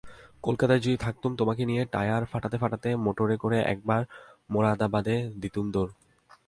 কলকাতায় যদি থাকতুম তোমাকে নিয়ে টায়ার ফাটাতে ফাটাতে মোটরে করে একেবারে মোরাদাবাদে দিতুম দৌড়।